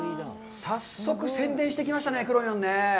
早速宣伝してきましたね、くろにょんね。